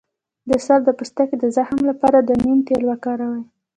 د سر د پوستکي د زخم لپاره د نیم تېل وکاروئ